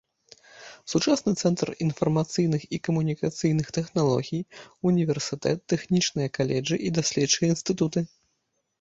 Сучасны цэнтр інфармацыйных і камунікацыйных тэхналогій, універсітэт, тэхнічныя каледжы і даследчыя інстытуты.